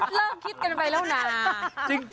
เริ่มคิดกันไปแล้วนะ